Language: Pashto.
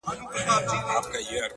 • ستا په سترگو کي سندري پيدا کيږي؛